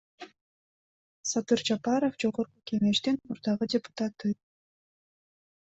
Садыр Жапаров — Жогорку Кеңештин мурдагы депутаты.